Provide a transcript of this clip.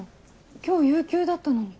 今日有休だったのに。